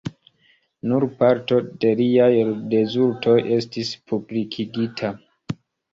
Nur parto de liaj rezultoj estis publikigita.